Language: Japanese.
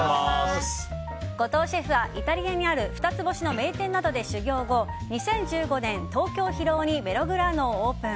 後藤シェフはイタリアにある二つ星の名店などで修業後２０１５年、東京・広尾にメログラーノをオープン。